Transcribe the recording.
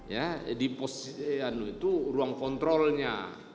ya di posisi itu ruang kontrolnya